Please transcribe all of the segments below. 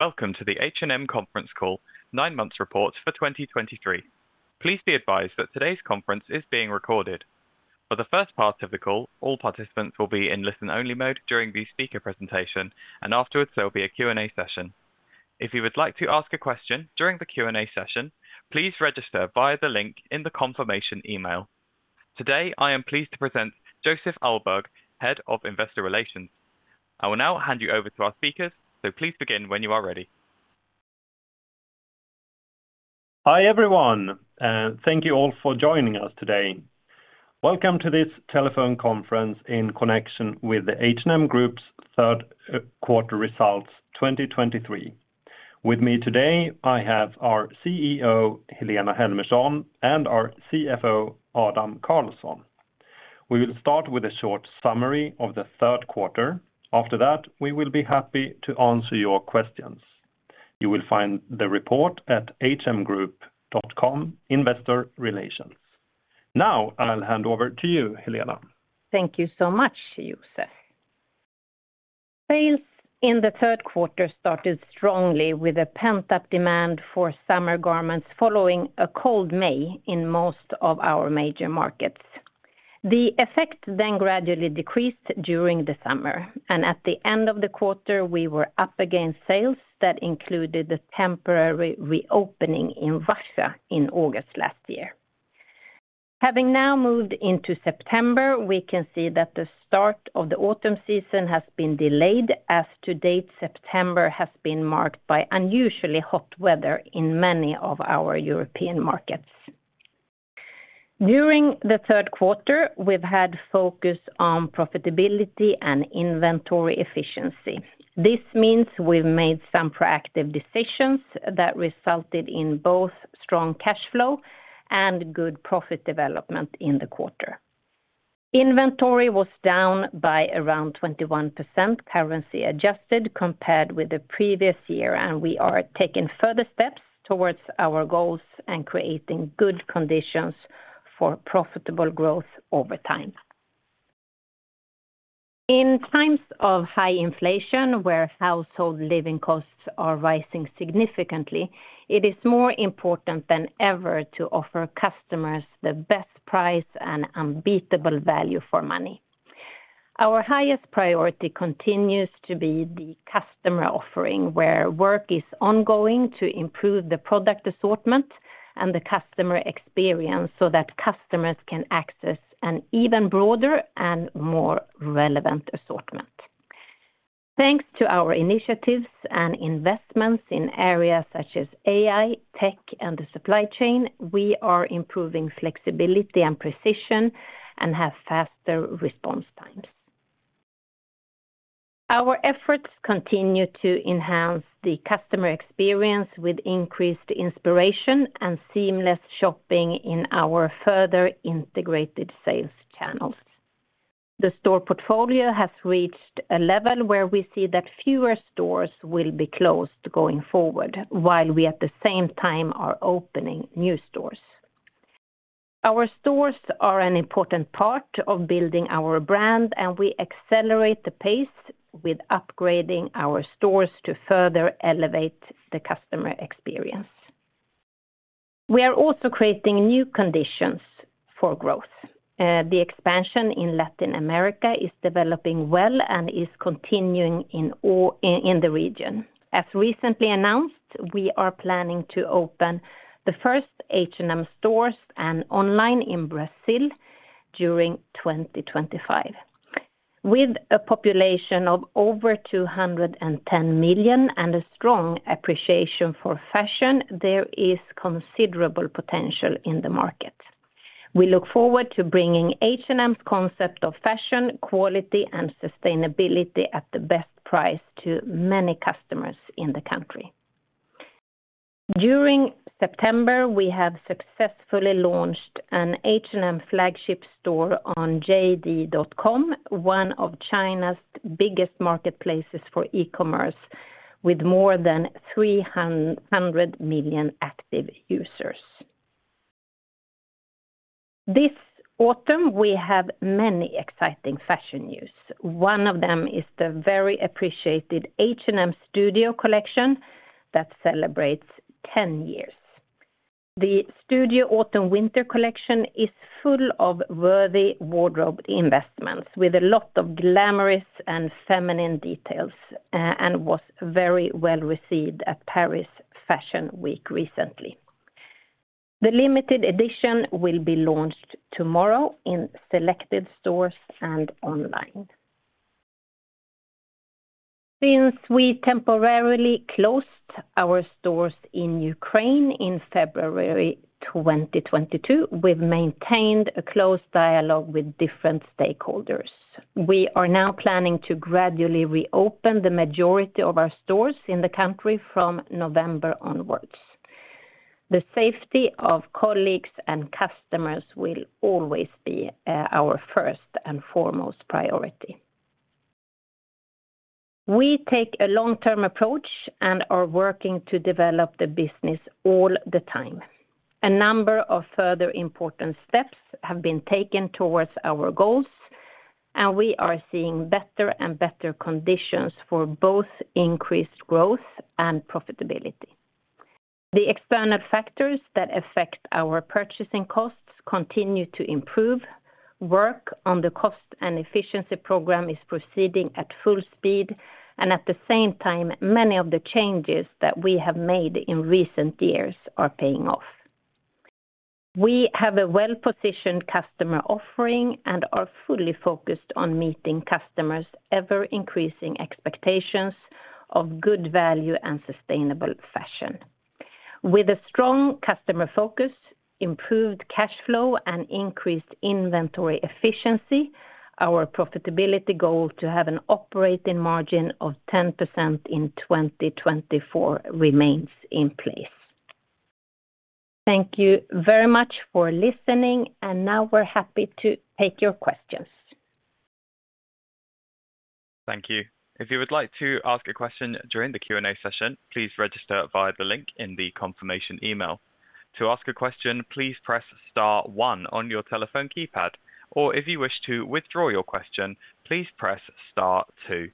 Welcome to the H&M conference call, nine months report for 2023. Please be advised that today's conference is being recorded. For the first part of the call, all participants will be in listen-only mode during the speaker presentation, and afterwards, there will be a Q&A session. If you would like to ask a question during the Q&A session, please register via the link in the confirmation email. Today, I am pleased to present Joseph Ahlberg, Head of Investor Relations. I will now hand you over to our speakers, so please begin when you are ready. Hi, everyone, and thank you all for joining us today. Welcome to this telephone conference in connection with the H&M Group's third quarter results 2023. With me today, I have our CEO, Helena Helmersson, and our CFO, Adam Karlsson. We will start with a short summary of the third quarter. After that, we will be happy to answer your questions. You will find the report at hmgroup.com, Investor Relations. Now, I'll hand over to you, Helena. Thank you so much, Joseph. Sales in the third quarter started strongly with a pent-up demand for summer garments following a cold May in most of our major markets. The effect then gradually decreased during the summer, and at the end of the quarter, we were up against sales that included the temporary reopening in Russia in August last year. Having now moved into September, we can see that the start of the autumn season has been delayed. To date, September has been marked by unusually hot weather in many of our European markets. During the third quarter, we've had focus on profitability and inventory efficiency. This means we've made some proactive decisions that resulted in both strong cash flow and good profit development in the quarter. Inventory was down by around 21%, currency adjusted, compared with the previous year, and we are taking further steps towards our goals and creating good conditions for profitable growth over time. In times of high inflation, where household living costs are rising significantly, it is more important than ever to offer customers the best price and unbeatable value for money. Our highest priority continues to be the customer offering, where work is ongoing to improve the product assortment and the customer experience so that customers can access an even broader and more relevant assortment. Thanks to our initiatives and investments in areas such as AI, tech, and the supply chain, we are improving flexibility and precision and have faster response times. Our efforts continue to enhance the customer experience with increased inspiration and seamless shopping in our further integrated sales channels. The store portfolio has reached a level where we see that fewer stores will be closed going forward, while we, at the same time, are opening new stores. Our stores are an important part of building our brand, and we accelerate the pace with upgrading our stores to further elevate the customer experience. We are also creating new conditions for growth. The expansion in Latin America is developing well and is continuing in all in the region. As recently announced, we are planning to open the first H&M stores and online in Brazil during 2025. With a population of over 210 million and a strong appreciation for fashion, there is considerable potential in the market. We look forward to bringing H&M's concept of fashion, quality, and sustainability at the best price to many customers in the country. During September, we have successfully launched an H&M flagship store on JD.com, one of China's biggest marketplaces for e-commerce, with more than 300 million active users. This autumn, we have many exciting fashion news. One of them is the very appreciated H&M Studio collection that celebrates 10 years. The Studio autumn/winter collection is full of worthy wardrobe investments with a lot of glamorous and feminine details, and was very well-received at Paris Fashion Week recently. The limited edition will be launched tomorrow in selected stores and online. Since we temporarily closed our stores in Ukraine in February 2022, we've maintained a close dialogue with different stakeholders. We are now planning to gradually reopen the majority of our stores in the country from November onwards. The safety of colleagues and customers will always be our first and foremost priority. We take a long-term approach and are working to develop the business all the time. A number of further important steps have been taken towards our goals. We are seeing better and better conditions for both increased growth and profitability. The external factors that affect our purchasing costs continue to improve, work on the cost and efficiency program is proceeding at full speed, and at the same time, many of the changes that we have made in recent years are paying off. We have a well-positioned customer offering and are fully focused on meeting customers' ever-increasing expectations of good value and sustainable fashion. With a strong customer focus, improved cash flow, and increased inventory efficiency, our profitability goal to have an operating margin of 10% in 2024 remains in place. Thank you very much for listening, and now we're happy to take your questions. Thank you. If you would like to ask a question during the Q&A session, please register via the link in the confirmation email. To ask a question, please press star one on your telephone keypad, or if you wish to withdraw your question, please press star two.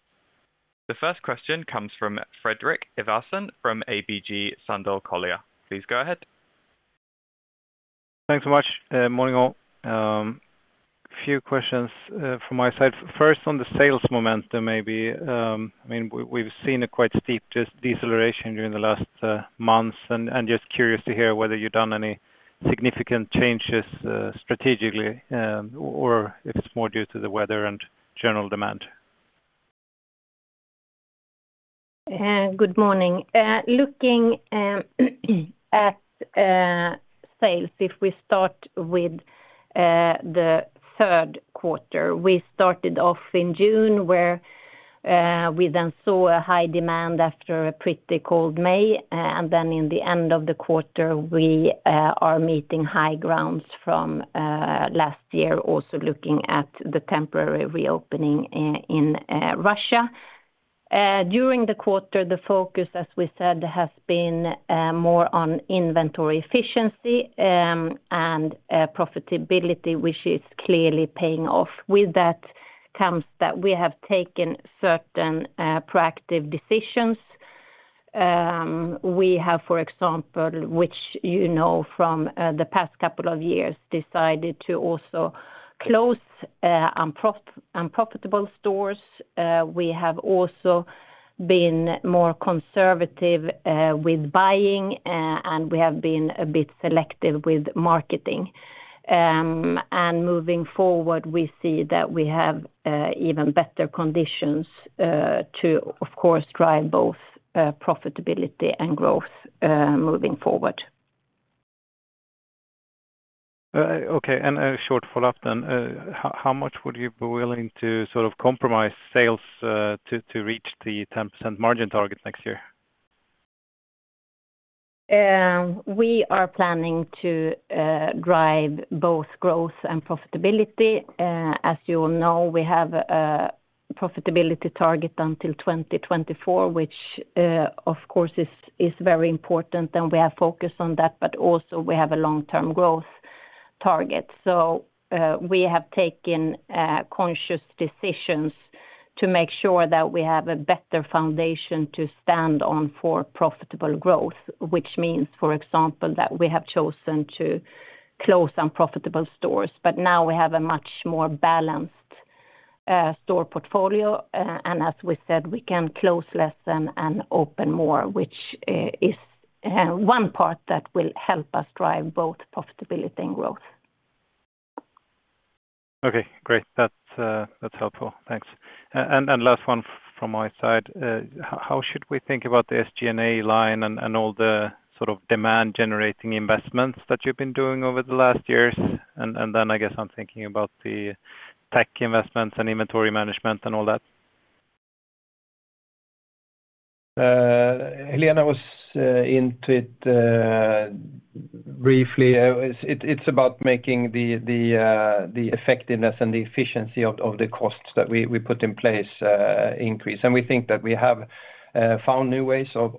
The first question comes from Fredrik Ivarsson, from ABG Sundal Collier. Please go ahead. Thanks so much. Morning, all. A few questions from my side. First, on the sales momentum, maybe, I mean, we've seen a quite steep just deceleration during the last months, and just curious to hear whether you've done any significant changes, strategically, or if it's more due to the weather and general demand? Good morning. Looking at sales, if we start with the third quarter, we started off in June, where we then saw a high demand after a pretty cold May. And then in the end of the quarter, we are meeting high grounds from last year, also looking at the temporary reopening in Russia. During the quarter, the focus, as we said, has been more on inventory efficiency and profitability, which is clearly paying off. With that comes that we have taken certain proactive decisions. We have, for example, which you know from the past couple of years, decided to also close unprofitable stores. We have also been more conservative with buying, and we have been a bit selective with marketing. And moving forward, we see that we have even better conditions to, of course, drive both profitability and growth moving forward. Okay, and a short follow-up then. How much would you be willing to sort of compromise sales to reach the 10% margin target next year? We are planning to drive both growth and profitability. As you all know, we have a profitability target until 2024, which, of course, is very important, and we are focused on that, but also we have a long-term growth target. We have taken conscious decisions to make sure that we have a better foundation to stand on for profitable growth, which means, for example, that we have chosen to close unprofitable stores. But now we have a much more balanced store portfolio, and as we said, we can close less and open more, which is one part that will help us drive both profitability and growth. Okay, great. That's, that's helpful. Thanks. And last one from my side. How should we think about the SG&A line and all the sort of demand-generating investments that you've been doing over the last years? And then I guess I'm thinking about the tech investments and inventory management and all that. Helena was into it briefly. It's about making the effectiveness and the efficiency of the costs that we put in place increase. And we think that we have found new ways of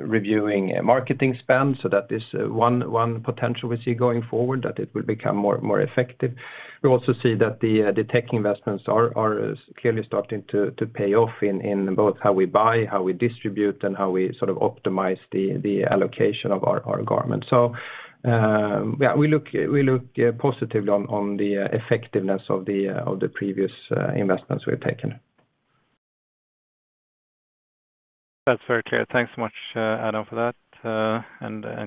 reviewing marketing spend, so that is one potential we see going forward, that it will become more effective. We also see that the tech investments are clearly starting to pay off in both how we buy, how we distribute, and how we sort of optimize the allocation of our garments. So, yeah, we look positively on the effectiveness of the previous investments we've taken. That's very clear. Thanks so much, Adam, for that.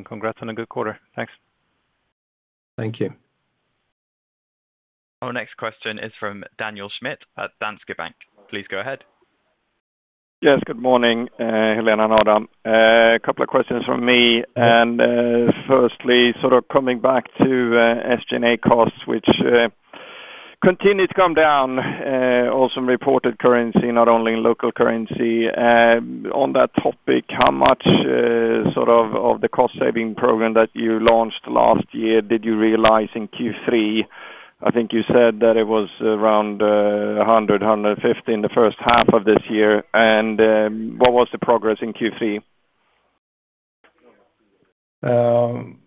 Congrats on a good quarter. Thanks. Thank you. Our next question is from Daniel Schmidt at Danske Bank. Please go ahead. Yes, good morning, Helena and Adam. A couple of questions from me. Firstly, sort of coming back to SG&A costs, which continue to come down also in reported currency, not only in local currency. On that topic, how much sort of of the cost saving program that you launched last year did you realize in Q3? I think you said that it was around 150 million in the first half of this year. What was the progress in Q3?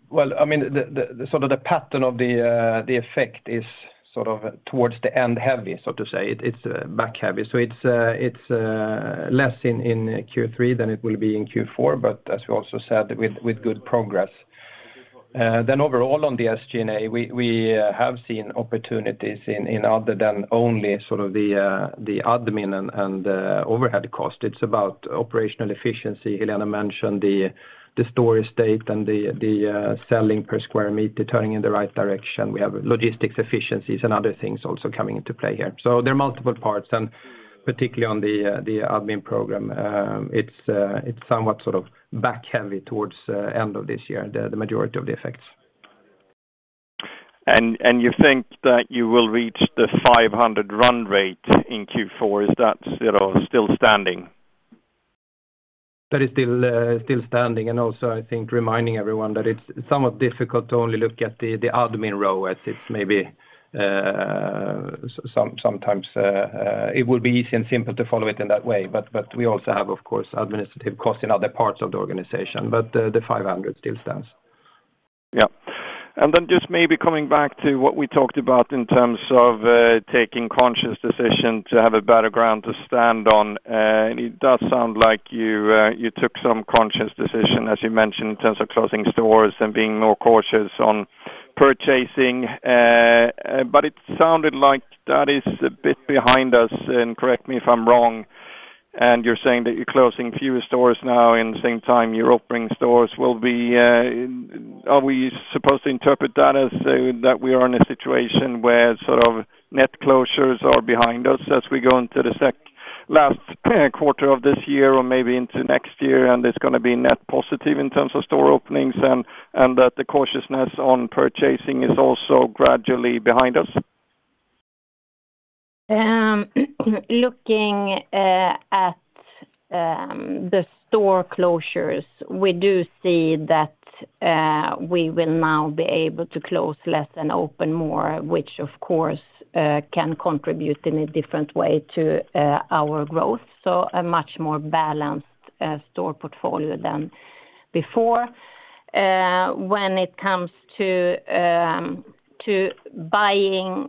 Well, I mean, the sort of pattern of the effect is sort of towards the end heavy, so to say. It's back heavy. So it's less in Q3 than it will be in Q4, but as we also said, with good progress. Then overall, on the SG&A, we have seen opportunities in other than only sort of the admin and overhead cost. It's about operational efficiency. Helena mentioned the store estate and the selling per square meter turning in the right direction. We have logistics efficiencies and other things also coming into play here. So there are multiple parts, and particularly on the admin program, it's somewhat sort of back-heavy towards end of this year, the majority of the effects. And you think that you will reach the 500 run rate in Q4? Is that, you know, still standing? That is still standing, and also, I think, reminding everyone that it's somewhat difficult to only look at the admin row as it's maybe sometimes it will be easy and simple to follow it in that way, but we also have, of course, administrative costs in other parts of the organization, but the 500 still stands. Yeah. And then just maybe coming back to what we talked about in terms of taking conscious decision to have a better ground to stand on, and it does sound like you, you took some conscious decision, as you mentioned, in terms of closing stores and being more cautious on purchasing. But it sounded like that is a bit behind us, and correct me if I'm wrong, and you're saying that you're closing fewer stores now, in the same time, you're opening stores. Are we supposed to interpret that as that we are in a situation where sort of net closures are behind us as we go into the second-last quarter of this year or maybe into next year, and it's gonna be net positive in terms of store openings, and that the cautiousness on purchasing is also gradually behind us? Looking at the store closures, we do see that we will now be able to close less and open more, which of course can contribute in a different way to our growth, so a much more balanced store portfolio than before. When it comes to buying,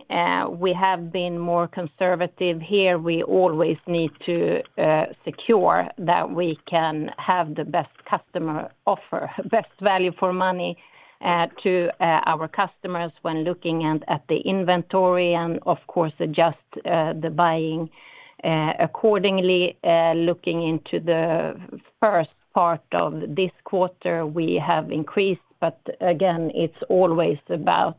we have been more conservative here. We always need to secure that we can have the best customer offer, best value for money to our customers when looking at the inventory and, of course, adjust the buying accordingly. Looking into the first part of this quarter, we have increased, but again, it's always about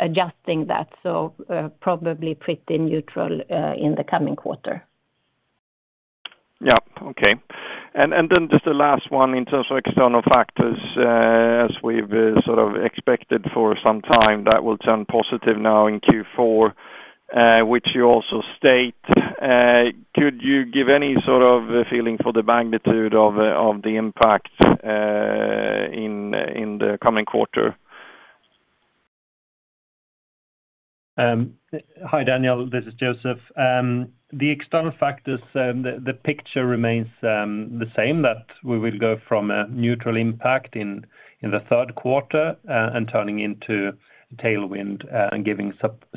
adjusting that, so probably pretty neutral in the coming quarter. Yeah. Okay. And then just the last one, in terms of external factors, as we've sort of expected for some time, that will turn positive now in Q4, which you also state. Could you give any sort of feeling for the magnitude of the impact, in the coming quarter? Hi, Daniel. This is Joseph. The external factors, the picture remains the same, that we will go from a neutral impact in the third quarter, and turning into tailwind, and giving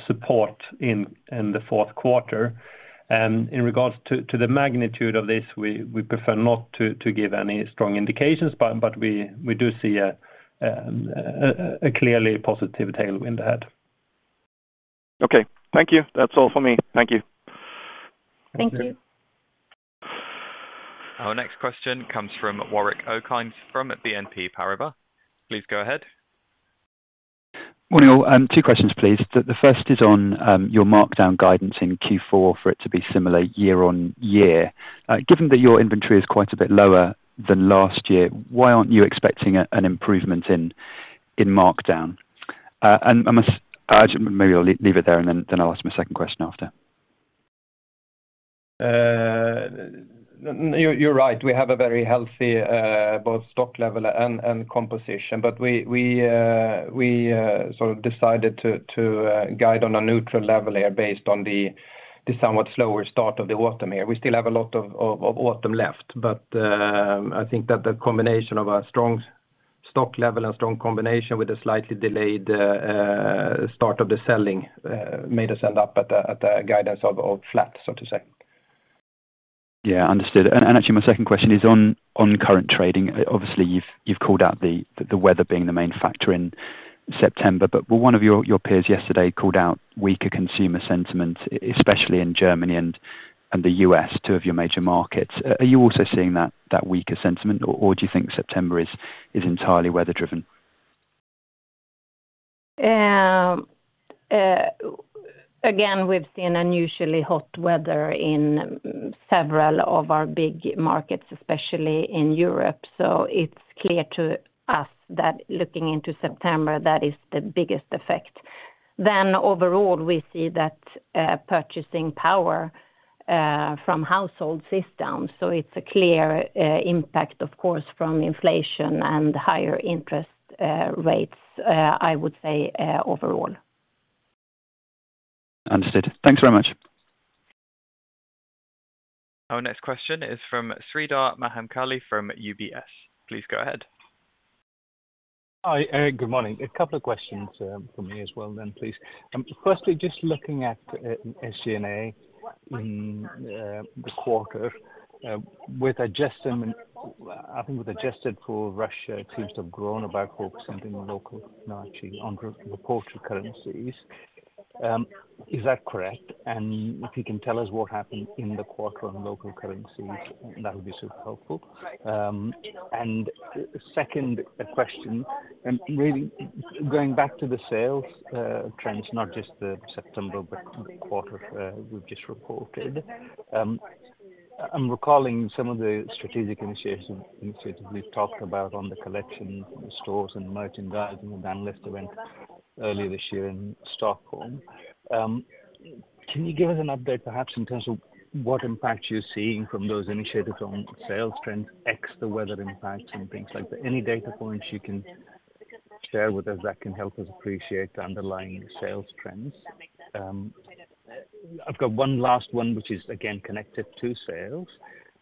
support in the fourth quarter. In regards to the magnitude of this, we prefer not to give any strong indications, but we do see a clearly positive tailwind ahead. Okay. Thank you. That's all for me. Thank you. Thank you. Our next question comes from Warwick Okines from BNP Paribas. Please go ahead. Well, two questions, please. The first is on your markdown guidance in Q4 for it to be similar year-on-year. Given that your inventory is quite a bit lower than last year, why aren't you expecting an improvement in markdown? Maybe I'll leave it there, and then I'll ask my second question after. You're right. We have a very healthy both stock level and composition, but we sort of decided to guide on a neutral level here based on the somewhat slower start of the autumn here. We still have a lot of autumn left, but I think that the combination of a strong stock level and strong combination with a slightly delayed start of the selling made us end up at a guidance of flat, so to say. Yeah, understood. And actually, my second question is on current trading. Obviously, you've called out the weather being the main factor in September, but well, one of your peers yesterday called out weaker consumer sentiment, especially in Germany and the U.S., two of your major markets. Are you also seeing that weaker sentiment, or do you think September is entirely weather driven? Again, we've seen unusually hot weather in several of our big markets, especially in Europe, so it's clear to us that looking into September, that is the biggest effect. Then overall, we see that purchasing power from households is down, so it's a clear impact, of course, from inflation and higher interest rates, I would say, overall. Understood. Thanks very much. Our next question is from Sreedhar Mahamkali from UBS. Please go ahead. Hi, and, good morning. A couple of questions from me as well, then please. Firstly, just looking at SG&A, the quarter with adjustment—I think with adjusted for Russia, it seems to have grown about 4% in the local, no, actually on the reported currencies. Is that correct? And if you can tell us what happened in the quarter on local currencies, that would be super helpful. And second question, and really going back to the sales trends, not just the September, but quarter we've just reported. I'm recalling some of the strategic initiatives, initiatives we've talked about on the collection stores and merchandise, and the ban list event earlier this year in Stockholm. Can you give us an update, perhaps, in terms of what impact you're seeing from those initiatives on sales trends, ex the weather impact and things like that? Any data points you can share with us that can help us appreciate the underlying sales trends? I've got one last one, which is again, connected to sales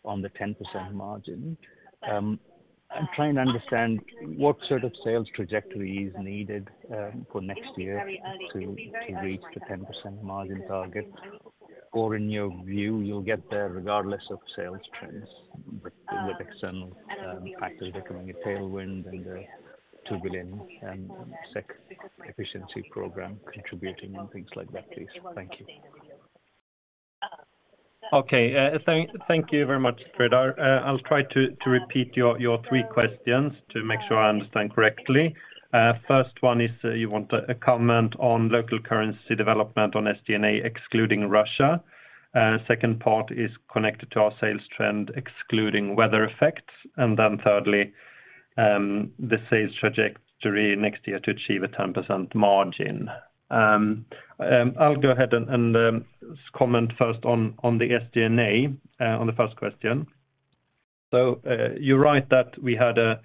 on the 10% margin. I'm trying to understand what sort of sales trajectory is needed, for next year to, to reach the 10% margin target, or in your view, you'll get there regardless of sales trends, with, with external, factors becoming a tailwind and the SEK 2 billion efficiency program contributing and things like that, please? Thank you. Okay, thank you very much, Sreedhar. I'll try to repeat your three questions to make sure I understand correctly. First one is you want a comment on local currency development on SG&A, excluding Russia. Second part is connected to our sales trend, excluding weather effects. And then thirdly, the sales trajectory next year to achieve a 10% margin. I'll go ahead and comment first on the SG&A, on the first question. So, you're right that we had a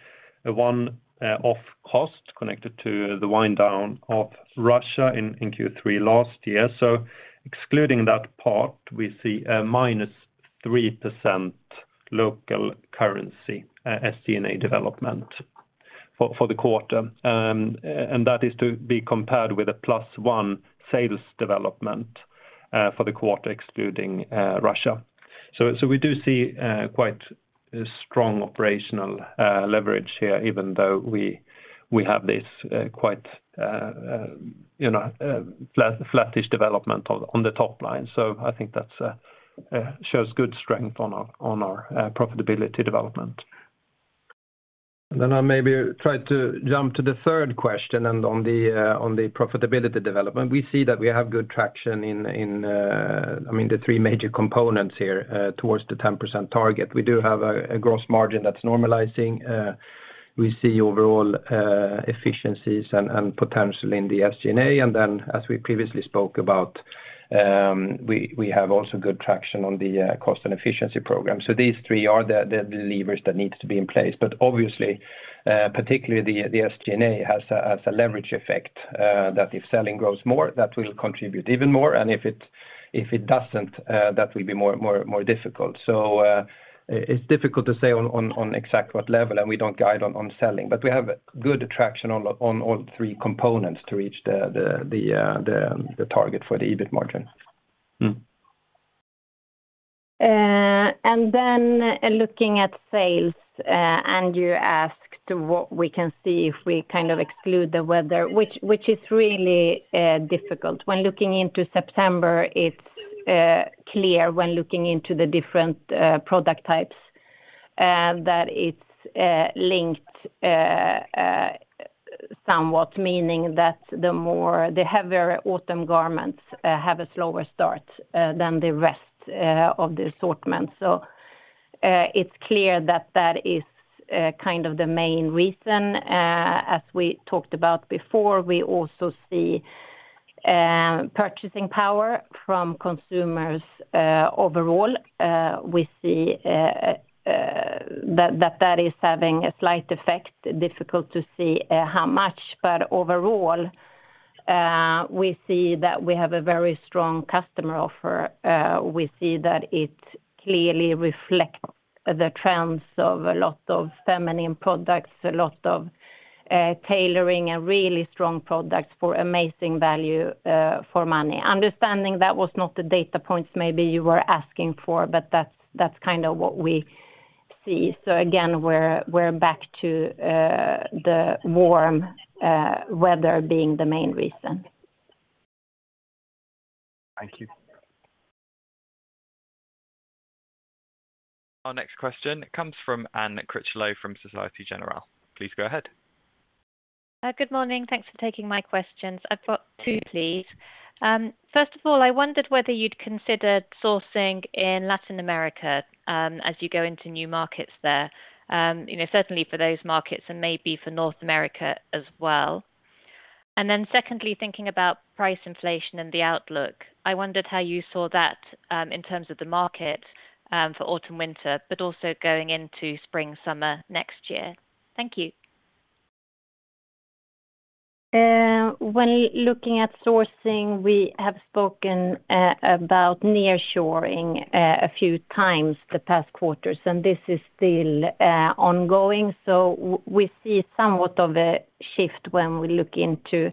one-off cost connected to the wind down of Russia in Q3 last year. So excluding that part, we see a -3% local currency SG&A development for the quarter. And that is to be compared with a +1 sales development for the quarter excluding Russia. So, so we do see quite a strong operational leverage here, even though we, we have this quite, you know, flattish development on, on the top line. So I think that's shows good strength on our, on our, profitability development. Then I'll maybe try to jump to the third question and on the, on the profitability development. We see that we have good traction in, in, I mean, the three major components here, towards the 10% target. We do have a gross margin that's normalizing. We see overall efficiencies and, and potential in the SG&A, and then as we previously spoke about, we, we have also good traction on the cost and efficiency program. So these three are the levers that need to be in place. But obviously, particularly the SG&A has a leverage effect, that if selling grows more, that will contribute even more, and if it doesn't, that will be more difficult. So, it's difficult to say on exact what level, and we don't guide on selling, but we have good traction on all three components to reach the target for the EBITDA margin. Mm. And then looking at sales, and you asked what we can see if we kind of exclude the weather, which is really difficult. When looking into September, it's clear when looking into the different product types that it's somewhat, meaning that the more, the heavier autumn garments have a slower start than the rest of the assortment. So, it's clear that that is kind of the main reason. As we talked about before, we also see purchasing power from consumers overall. We see that that is having a slight effect, difficult to see how much. But overall, we see that we have a very strong customer offer. We see that it clearly reflects the trends of a lot of feminine products, a lot of tailoring, and really strong products for amazing value for money. Understanding that was not the data points maybe you were asking for, but that's kind of what we see. So again, we're back to the warm weather being the main reason. Thank you. Our next question comes from Anne Critchlow from Société Générale. Please go ahead. Good morning. Thanks for taking my questions. I've got two, please. First of all, I wondered whether you'd considered sourcing in Latin America, as you go into new markets there. You know, certainly for those markets and maybe for North America as well. And then secondly, thinking about price inflation and the outlook, I wondered how you saw that, in terms of the market, for autumn/winter, but also going into spring/summer next year. Thank you. When looking at sourcing, we have spoken about nearshoring a few times the past quarters, and this is still ongoing. So we see somewhat of a shift when we look into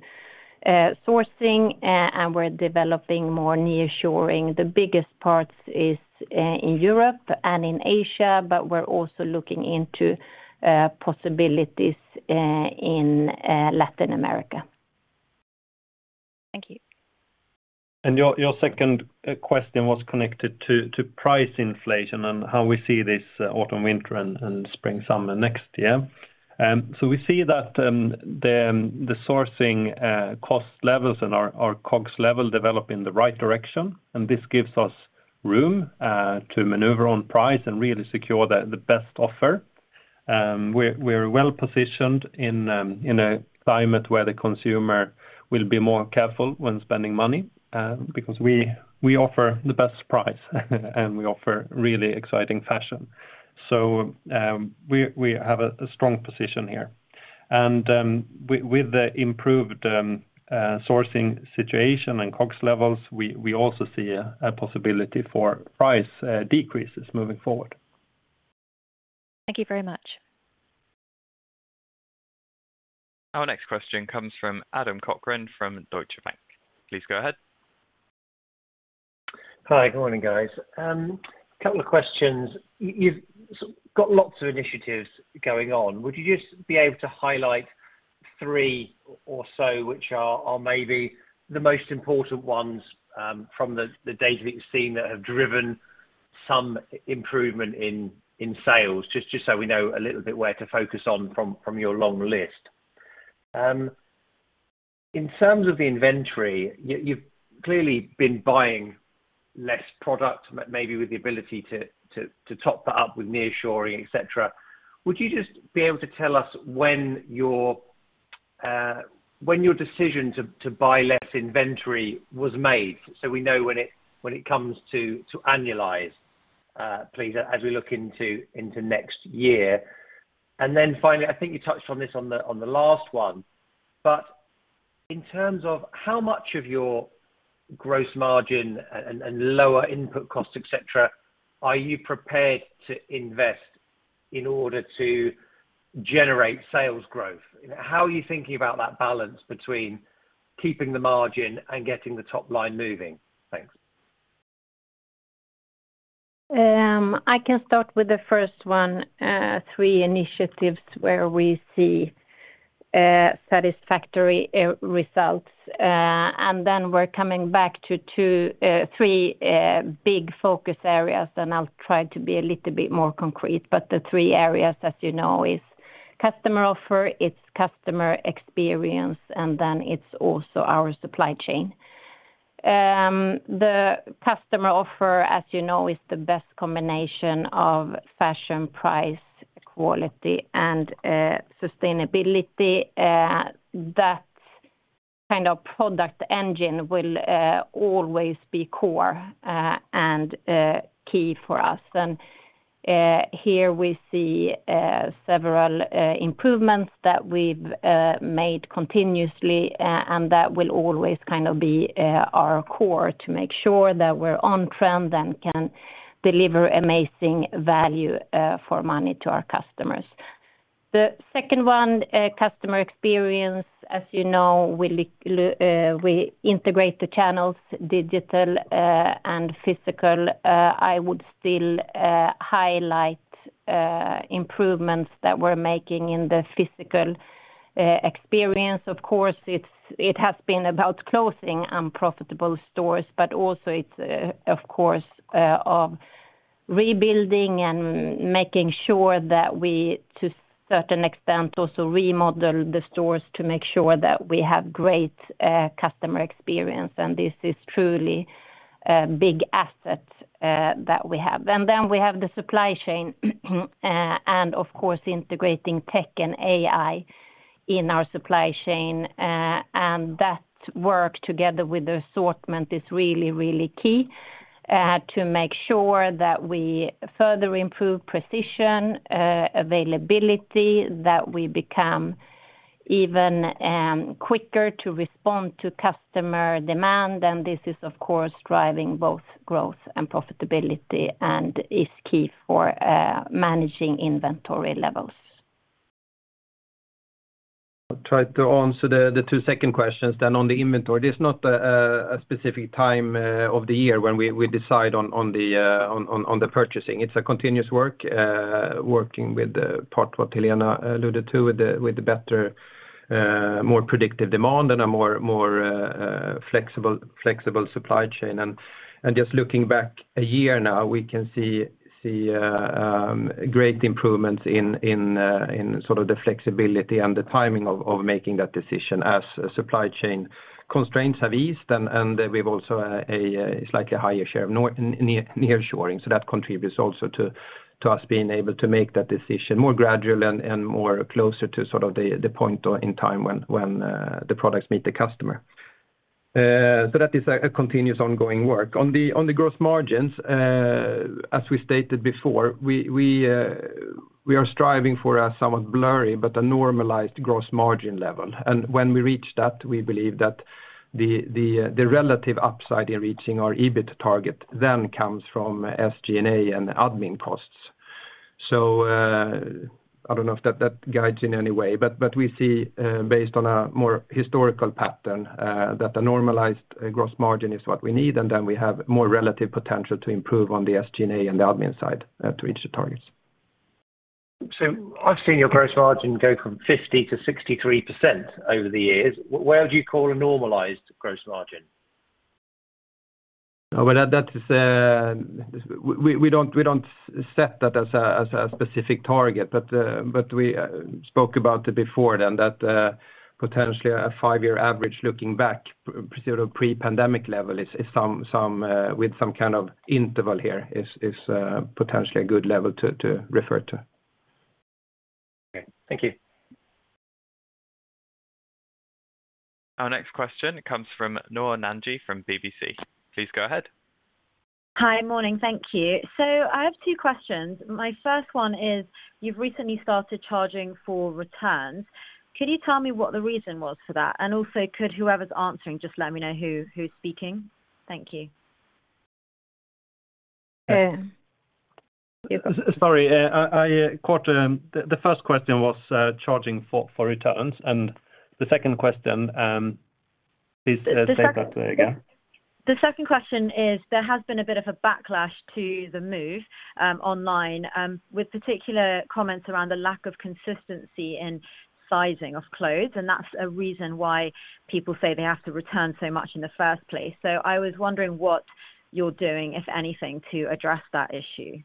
sourcing, and we're developing more nearshoring. The biggest parts is in Europe and in Asia, but we're also looking into possibilities in Latin America. Thank you. Your second question was connected to price inflation and how we see this autumn, winter, and spring, summer next year. So we see that the sourcing cost levels and our costs level develop in the right direction, and this gives us room to maneuver on price and really secure the best offer. We're well positioned in a climate where the consumer will be more careful when spending money, because we offer the best price, and we offer really exciting fashion. So we have a strong position here. And with the improved sourcing situation and costs levels, we also see a possibility for price decreases moving forward. Thank you very much. Our next question comes from Adam Cochrane from Deutsche Bank. Please go ahead. Hi, good morning, guys. Couple of questions. You've sort of got lots of initiatives going on. Would you just be able to highlight three or so, which are maybe the most important ones, from the data that you've seen that have driven some improvement in sales, just so we know a little bit where to focus on from your long list? In terms of the inventory, you've clearly been buying less product, maybe with the ability to top that up with nearshoring, et cetera. Would you just be able to tell us when your decision to buy less inventory was made? So we know when it comes to annualize, please, as we look into next year. And then finally, I think you touched on this on the last one, but in terms of how much of your gross margin and lower input costs, et cetera, are you prepared to invest in order to generate sales growth? How are you thinking about that balance between keeping the margin and getting the top line moving? Thanks. I can start with the first one three initiatives where we see satisfactory results. And then we're coming back to two three big focus areas, and I'll try to be a little bit more concrete. But the three areas, as you know, is customer offer, it's customer experience, and then it's also our supply chain. The customer offer, as you know, is the best combination of fashion, price, quality, and sustainability. That kind of product engine will always be core and key for us. And here we see several improvements that we've made continuously and that will always kind of be our core to make sure that we're on trend and can deliver amazing value for money to our customers. The second one, customer experience, as you know, we integrate the channels, digital, and physical. I would still highlight improvements that we're making in the physical experience. Of course, it has been about closing unprofitable stores, but also, of course, of rebuilding and making sure that we, to certain extent, also remodel the stores to make sure that we have great customer experience, and this is truly a big asset that we have. And then we have the supply chain, and of course, integrating tech and AI in our supply chain, and that work together with the assortment is really, really key to make sure that we further improve precision, availability, that we become even quicker to respond to customer demand. This is, of course, driving both growth and profitability and is key for managing inventory levels. I'll try to answer the two second questions then on the inventory. There's not a specific time of the year when we decide on the purchasing. It's a continuous work working with part what Helena alluded to, with the better more predictive demand and a more flexible supply chain. And just looking back a year now, we can see great improvements in sort of the flexibility and the timing of making that decision as supply chain constraints have eased. And we've also a slightly higher share of nearshoring. So that contributes also to us being able to make that decision more gradually and more closer to sort of the point in time when the products meet the customer. So that is a continuous ongoing work. On the gross margins, as we stated before, we are striving for a somewhat blurry, but a normalized gross margin level. And when we reach that, we believe that the relative upside in reaching our EBITDA target then comes from SG&A and admin costs. So, I don't know if that guides in any way, but we see, based on a more historical pattern, that the normalized gross margin is what we need, and then we have more relative potential to improve on the SG&A and the admin side to reach the targets. I've seen your gross margin go from 50%-63% over the years. Where would you call a normalized gross margin? Well, that is, we don't set that as a specific target. But we spoke about it before then, that potentially a five-year average looking back, sort of pre-pandemic level is some with some kind of interval here, is potentially a good level to refer to. Okay, thank you. Our next question comes from Noor Nanji, from BBC. Please go ahead. Hi, morning. Thank you. So I have two questions. My first one is, you've recently started charging for returns. Could you tell me what the reason was for that? And also, could whoever's answering, just let me know who, who's speaking? Thank you. Uh- Sorry, I caught the first question was charging for returns, and the second question, please say that again? The second question is, there has been a bit of a backlash to the move online, with particular comments around the lack of consistency in sizing of clothes, and that's a reason why people say they have to return so much in the first place. So I was wondering what you're doing, if anything, to address that issue.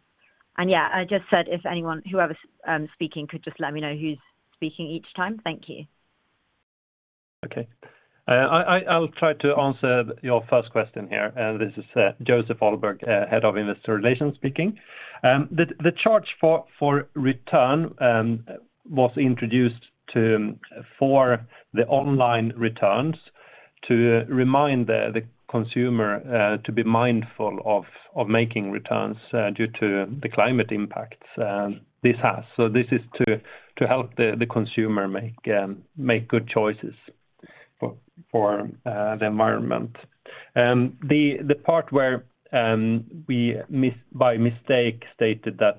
And yeah, I just said, if anyone, whoever's speaking, could just let me know who's speaking each time. Thank you. Okay. I'll try to answer your first question here, and this is Joseph Ahlberg, Head of Investor Relations, speaking. The charge for return was introduced to for the online returns to remind the consumer to be mindful of making returns due to the climate impacts this has. So this is to help the consumer make good choices for the environment. The part where we by mistake stated that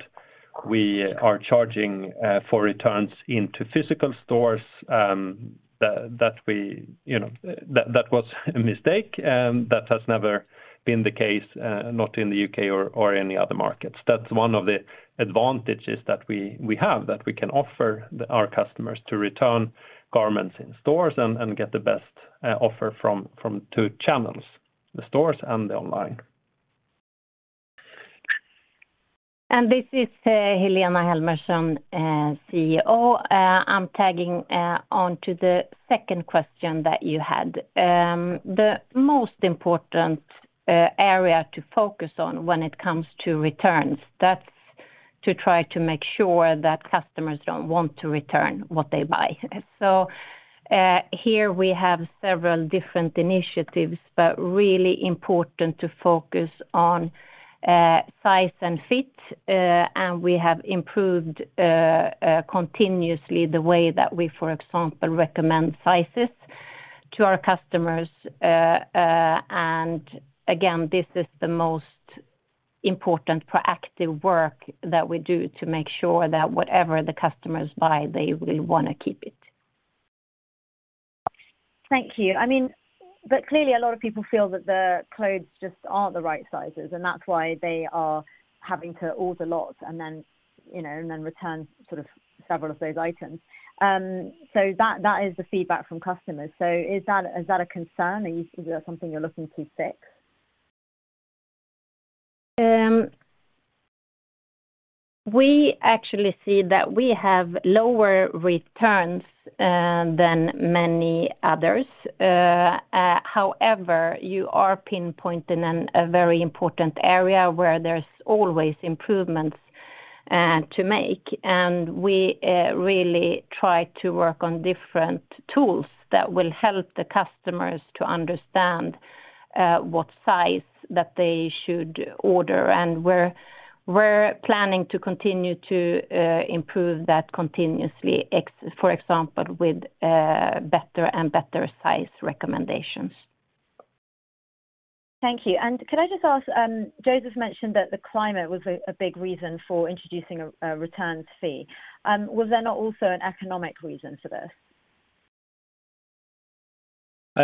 we are charging for returns into physical stores, that we, you know, that was a mistake, that has never been the case, not in the U.K. or any other markets. That's one of the advantages that we have, that we can offer our customers to return garments in stores and get the best offer from two channels, the stores and the online. This is Helena Helmersson, CEO. I'm tagging on to the second question that you had. The most important area to focus on when it comes to returns, that's to try to make sure that customers don't want to return what they buy. So, here we have several different initiatives, but really important to focus on size and fit, and we have improved continuously the way that we, for example, recommend sizes to our customers. And again, this is the most important proactive work that we do to make sure that whatever the customers buy, they will wanna keep it. Thank you. I mean, but clearly a lot of people feel that the clothes just aren't the right sizes, and that's why they are having to order a lot and then, you know, and then return sort of several of those items. So that, that is the feedback from customers. So is that, is that a concern? Is that something you're looking to fix? We actually see that we have lower returns than many others. However, you are pinpointing a very important area where there's always improvements to make, and we really try to work on different tools that will help the customers to understand what size that they should order, and we're planning to continue to improve that continuously, for example, with better and better size recommendations. Thank you. And could I just ask, Joseph mentioned that the climate was a big reason for introducing a returns fee. Was there not also an economic reason for this?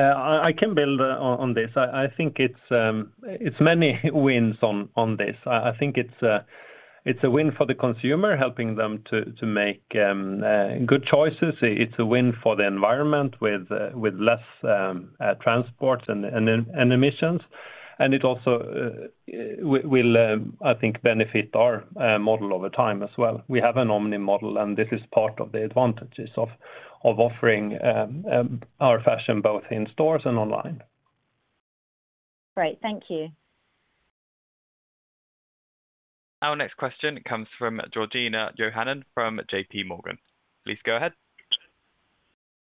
I can build on this. I think it's many wins on this. I think it's a win for the consumer, helping them to make good choices. It's a win for the environment with less transport and emissions. And it also will, I think, benefit our model over time as well. We have an omni model, and this is part of the advantages of offering our fashion both in stores and online. Great, thank you. Our next question comes from Georgina Johanan from J.P. Morgan. Please go ahead.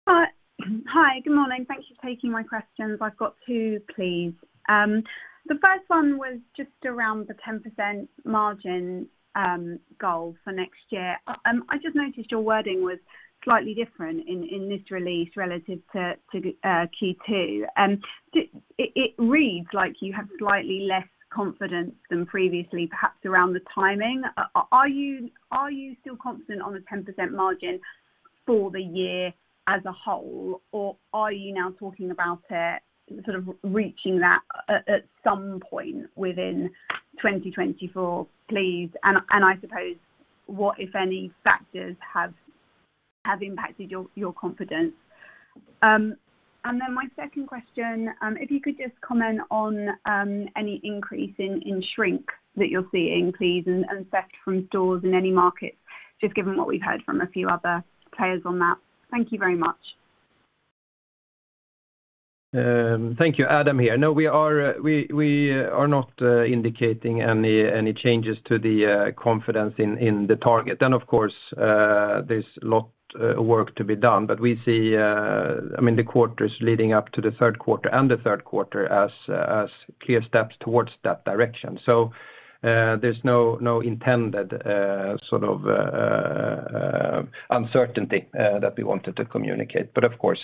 Hi. Good morning. Thanks for taking my questions. I've got two, please. The first one was just around the 10% margin goal for next year. I just noticed your wording was slightly different in this release relative to Q2. It reads like you have slightly less confidence than previously, perhaps around the timing. Are you still confident on the 10% margin for the year as a whole, or are you now talking about it, sort of, reaching that at some point within 2024, please? And I suppose what, if any, factors have impacted your confidence? And then my second question, if you could just comment on any increase in shrink that you're seeing, please, and theft from stores in any markets, just given what we've heard from a few other players on that. Thank you very much. Thank you. Adam here. No, we are not indicating any changes to the confidence in the target. Then, of course, there's a lot of work to be done, but we see, I mean, the quarters leading up to the third quarter and the third quarter as clear steps towards that direction. So, there's no intended sort of uncertainty that we wanted to communicate. But of course,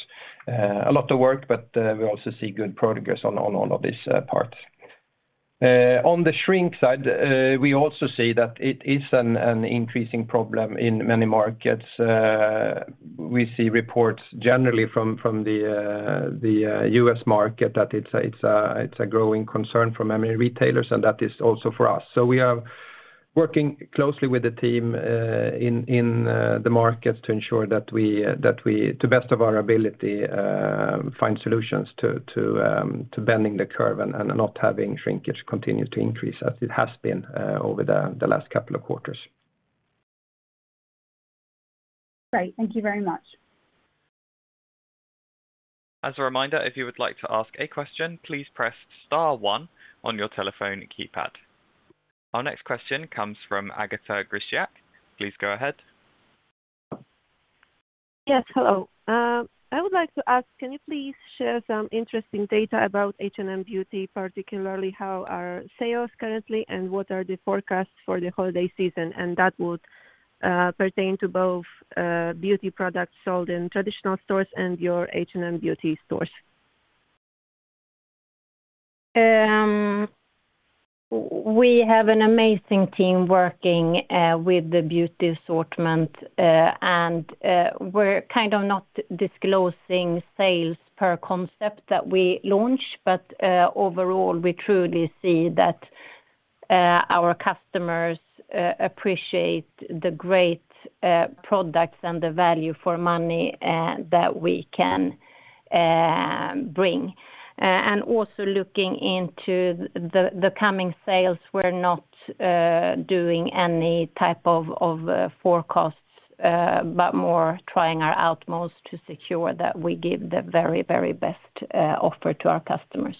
a lot of work, but we also see good progress on all of these parts. On the shrink side, we also see that it is an increasing problem in many markets. We see reports generally from the U.S. market that it's a growing concern from many retailers, and that is also for us. So we are working closely with the team in the markets to ensure that we, to best of our ability, find solutions to bending the curve and not having shrinkage continue to increase as it has been over the last couple of quarters. Great. Thank you very much. As a reminder, if you would like to ask a question, please press star one on your telephone keypad. Our next question comes from Agata Grisiak. Please go ahead. Yes, hello. I would like to ask, can you please share some interesting data about H&M Beauty, particularly how are sales currently and what are the forecasts for the holiday season? That would pertain to both, beauty products sold in traditional stores and your H&M Beauty stores. We have an amazing team working with the beauty assortment and we're kind of not disclosing sales per concept that we launch, but overall, we truly see that our customers appreciate the great products and the value for money that we can bring. And also looking into the coming sales, we're not doing any type of forecasts, but more trying our utmost to secure that we give the very, very best offer to our customers.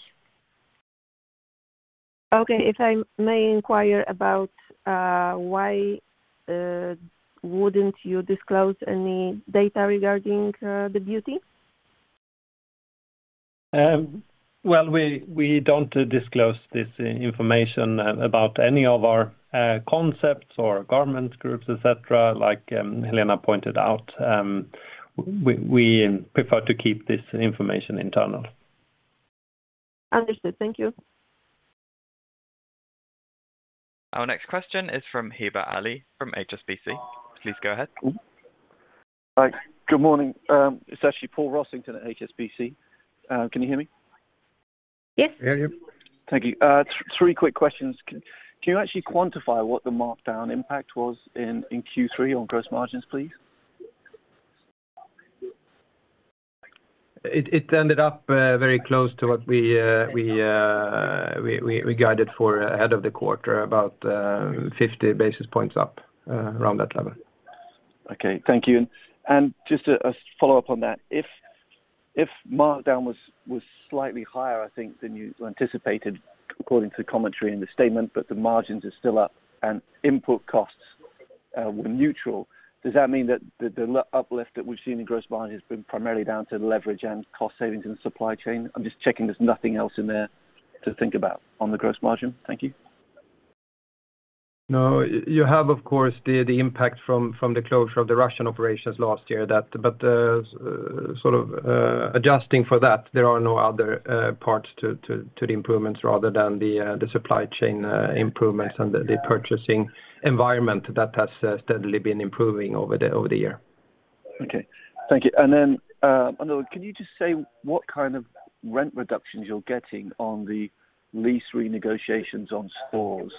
Okay, if I may inquire about why wouldn't you disclose any data regarding the beauty? Well, we don't disclose this information about any of our concepts or garment groups, et cetera, like Helena pointed out. We prefer to keep this information internal. Understood. Thank you. Our next question is from Heba Ali, from HSBC. Please go ahead. Hi, good morning. It's actually Paul Rossington at HSBC. Can you hear me? Yes. We hear you. Thank you. Three quick questions. Can you actually quantify what the markdown impact was in Q3 on gross margins, please? It ended up very close to what we guided for ahead of the quarter, about 50 basis points up, around that level. Okay. Thank you. And just a follow-up on that. If markdown was slightly higher, I think, than you anticipated, according to the commentary in the statement, but the margins are still up and input costs were neutral, does that mean that the uplift that we've seen in gross margin has been primarily down to leverage and cost savings in the supply chain? I'm just checking there's nothing else in there to think about on the gross margin. Thank you. No, you have, of course, the impact from the closure of the Russian operations last year that, but sort of adjusting for that, there are no other parts to the improvements rather than the supply chain improvements and the purchasing environment that has steadily been improving over the year. Okay. Thank you. And then, another one, can you just say what kind of rent reductions you're getting on the lease renegotiations on stores?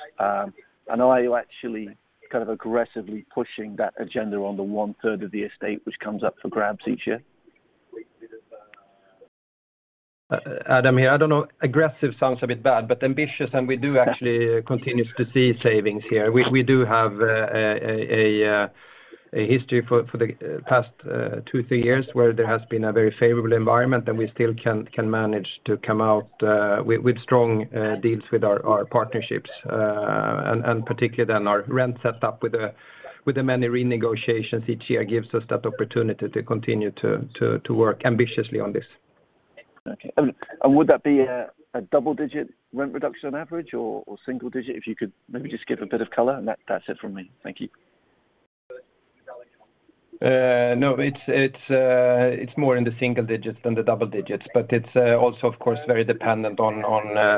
And are you actually kind of aggressively pushing that agenda on the one-third of the estate, which comes up for grabs each year? Adam, here, I don't know, aggressive sounds a bit bad, but ambitious, and we do actually continue to see savings here. We do have a history for the past two, three years where there has been a very favorable environment, and we still can manage to come out with strong deals with our partnerships. And particularly then our rent set up with the many renegotiations each year gives us that opportunity to continue to work ambitiously on this. Okay. Would that be a double-digit rent reduction on average or single digit? If you could maybe just give a bit of color, and that's it from me. Thank you. No, it's more in the single digits than the double digits, but it's also, of course, very dependent on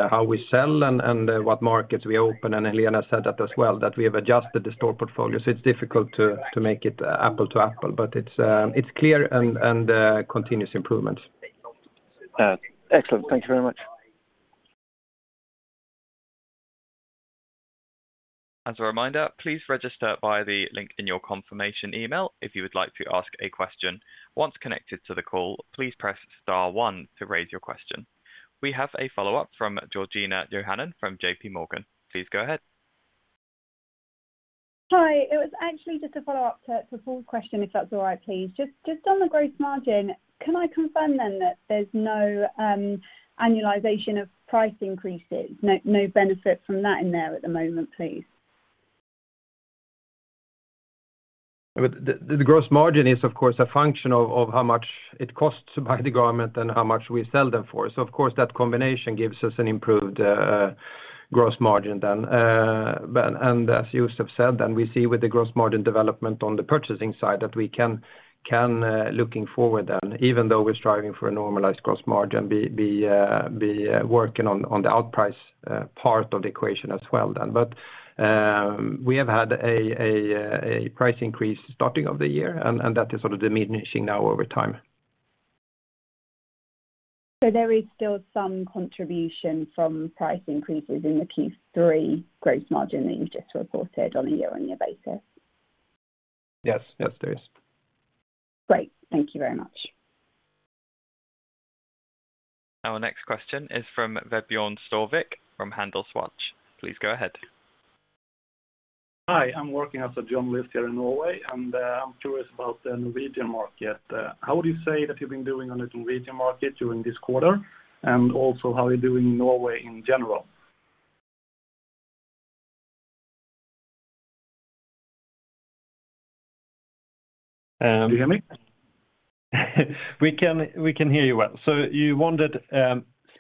how we sell and what markets we open. And Helena said that as well, that we have adjusted the store portfolio, so it's difficult to make it apple to apple, but it's clear and continuous improvements. Excellent. Thank you very much. As a reminder, please register via the link in your confirmation email if you would like to ask a question. Once connected to the call, please press star one to raise your question. We have a follow-up from Georgina Sheridan from J.P. Morgan. Please go ahead. Hi. It was actually just a follow-up to Paul's question, if that's all right, please. Just on the gross margin, can I confirm then that there's no annualization of price increases? No benefit from that in there at the moment, please. But the gross margin is, of course, a function of how much it costs to buy the garment and how much we sell them for. So of course, that combination gives us an improved gross margin then. But and as you just have said, and we see with the gross margin development on the purchasing side, that we can looking forward then, even though we're striving for a normalized gross margin, be working on the outprice part of the equation as well then. But we have had a price increase starting of the year, and that is sort of diminishing now over time. There is still some contribution from price increases in the Q3 gross margin that you've just reported on a year-on-year basis? Yes. Yes, there is. Great. Thank you very much. Our next question is from Vebjorn Storvik, from HandelsWatch. Please go ahead. Hi, I'm working as a journalist here in Norway, and, I'm curious about the Norwegian market. How would you say that you've been doing on the Norwegian market during this quarter? And also, how are you doing in Norway in general? Um- Do you hear me? We can, we can hear you well. So you wondered,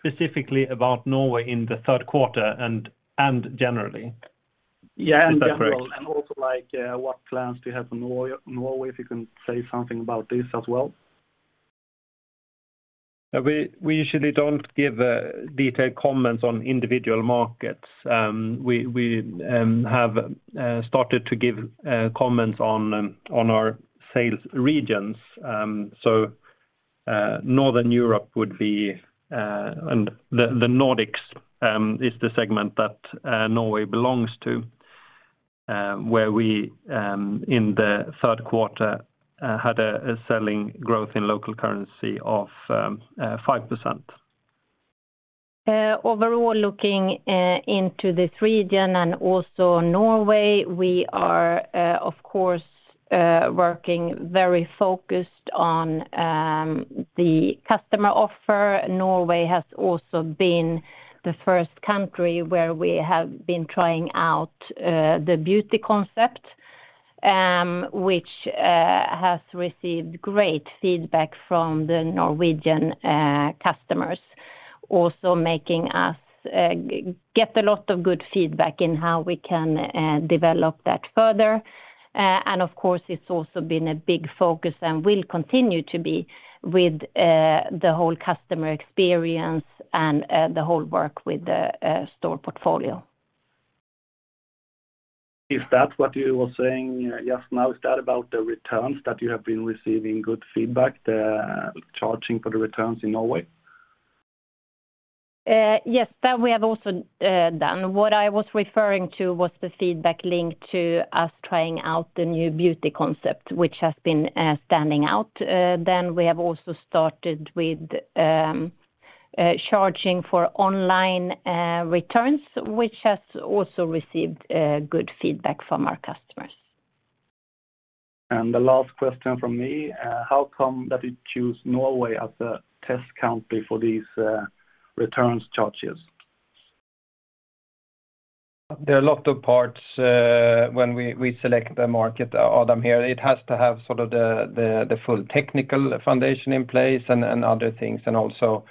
specifically about Norway in the third quarter and generally? Yeah, in general. Is that correct? And also, like, what plans do you have for Norway? Norway, if you can say something about this as well. We usually don't give detailed comments on individual markets. We have started to give comments on our sales regions. Northern Europe and the Nordics is the segment that Norway belongs to, where we in the third quarter had a selling growth in local currency of 5%. Overall looking into this region and also Norway, we are, of course, working very focused on the customer offer. Norway has also been the first country where we have been trying out the beauty concept, which has received great feedback from the Norwegian customers. Also making us get a lot of good feedback in how we can develop that further. And of course, it's also been a big focus and will continue to be with the whole customer experience and the whole work with the store portfolio. If that's what you were saying just now, is that about the returns that you have been receiving good feedback, the charging for the returns in Norway? Yes, that we have also done. What I was referring to was the feedback linked to us trying out the new beauty concept, which has been standing out. Then we have also started with charging for online returns, which has also received good feedback from our customers. The last question from me, how come that you choose Norway as a test country for these returns charges? There are a lot of parts when we select the market item here. It has to have sort of the full technical foundation in place and other things, and also,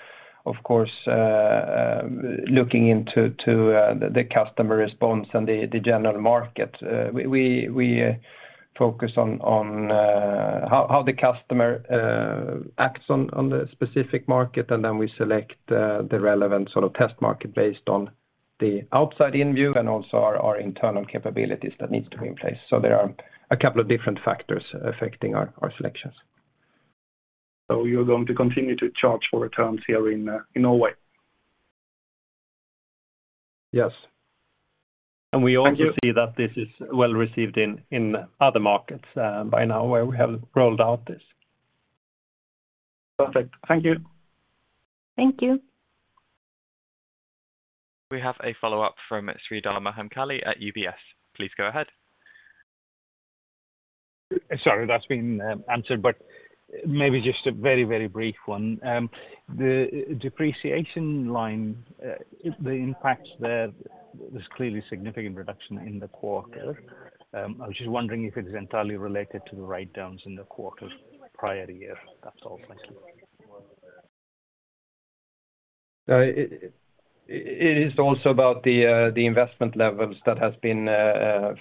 of course, looking into the customer response and the general market. We focus on how the customer acts on the specific market, and then we select the relevant sort of test market based on the outside-in view and also our internal capabilities that need to be in place. So there are a couple of different factors affecting our selections. So you're going to continue to charge for returns here in Norway? Yes. Thank you. We also see that this is well received in other markets by now, where we have rolled out this. Perfect. Thank you. Thank you. We have a follow-up from Sreedhar Mahamkali at UBS. Please go ahead. Sorry, that's been answered, but maybe just a very, very brief one. The depreciation line, the impact there was clearly significant reduction in the quarter. I was just wondering if it is entirely related to the write-downs in the quarter prior year. That's all. Thank you. It is also about the investment levels that has been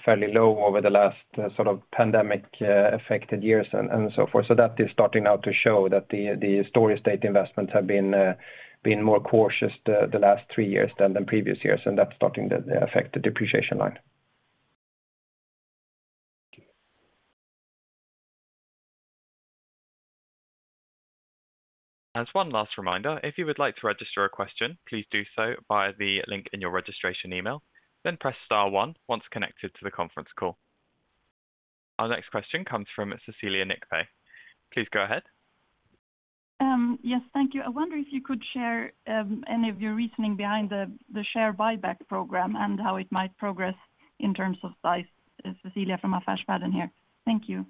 fairly low over the last sort of pandemic affected years and so forth. So that is starting now to show that the store investments have been more cautious the last three years than the previous years, and that's starting to affect the depreciation line. Thank you. As one last reminder, if you would like to register a question, please do so via the link in your registration email, then press star one once connected to the conference call. Our next question comes from Cecilia Nikpay. Please go ahead. Yes, thank you. I wonder if you could share any of your reasoning behind the share buyback program and how it might progress in terms of size? Cecilia for Affärsvärlden here. Thank you.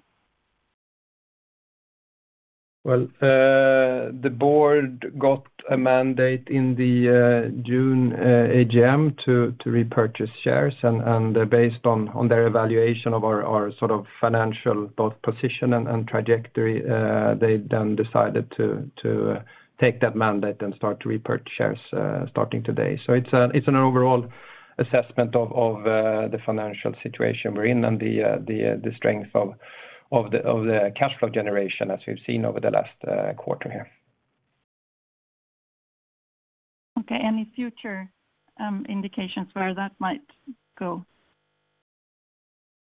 Well, the board got a mandate in the June AGM to repurchase shares, and based on their evaluation of our sort of financial both position and trajectory, they then decided to take that mandate and start to repurchase shares, starting today. So it's an overall assessment of the financial situation we're in and the strength of the cash flow generation as we've seen over the last quarter here. Okay. Any future indications where that might go?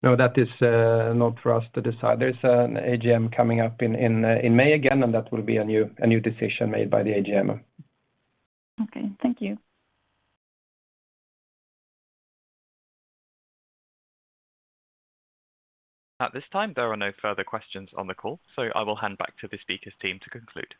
No, that is, not for us to decide. There's an AGM coming up in May again, and that will be a new decision made by the AGM. Okay. Thank you. At this time, there are no further questions on the call, so I will hand back to the speaker's team to conclude.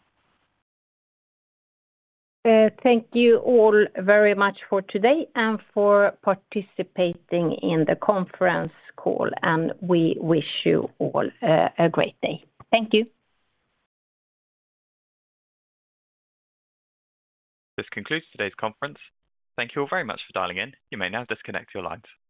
Thank you all very much for today and for participating in the conference call, and we wish you all a great day. Thank you. This concludes today's conference. Thank you all very much for dialing in. You may now disconnect your lines.